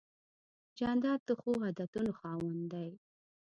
جانداد د ښو عادتونو خاوند دی.